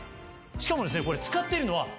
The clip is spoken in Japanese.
しかもですね。